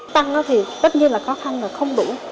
tăng đó thì tất nhiên là khó khăn không đủ